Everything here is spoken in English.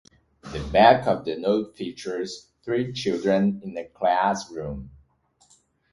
The back of the note features three children in a classroom.